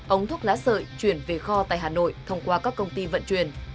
ống thuốc lá sợi chuyển về kho tại hà nội thông qua các công ty vận chuyển